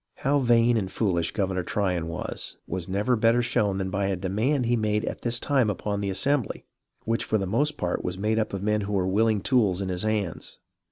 How vain and foolish Governor Tryon was, was never better shown than by a demand he made at this time upon the Assembly, which for the most part was made up of men who were willing tools in his hands.